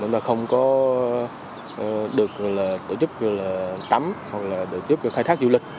mà chúng ta không có được tổ chức tắm hoặc là tổ chức khai thác du lịch